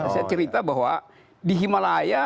saya cerita bahwa di himalaya